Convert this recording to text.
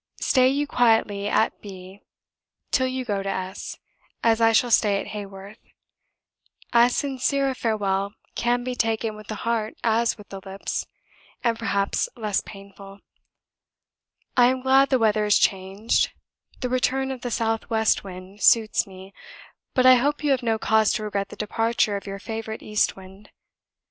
Stay you quietly at B., till you go to S., as I shall stay at Haworth; as sincere a farewell can be taken with the heart as with the lips, and perhaps less painful. I am glad the weather is changed; the return of the south west wind suits me; but I hope you have no cause to regret the departure of your favourite east wind.